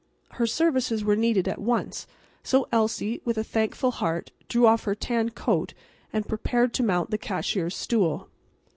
Her services were needed at once, so Elsie, with a thankful heart, drew off her tan coat and prepared to mount the cashier's stool.